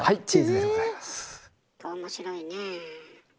面白いねえ。